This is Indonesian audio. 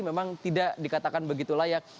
memang tidak dikatakan begitu layak